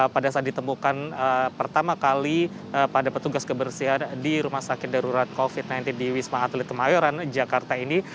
pada saat ditemukan pertama kali pada petugas kebersihan di rumah sakit darurat covid sembilan belas di wisma atlet kemayoran jakarta ini